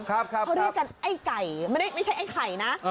เขาเรียกกันไอ้ไก่ไม่ใช่ไอ้ไข่นะ